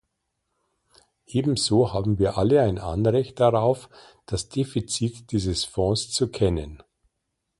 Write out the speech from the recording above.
Ebenso haben wir alle ein Anrecht darauf, das Defizit dieses Fonds zu kennen.